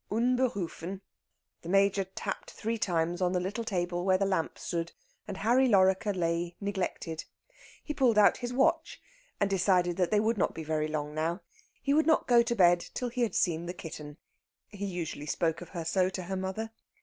Unberufen! The Major tapped three times on the little table where the lamp stood and "Harry Lorrequer" lay neglected. He pulled out his watch, and decided that they would not be very long now. He would not go to bed till he had seen the kitten he usually spoke of her so to her mother.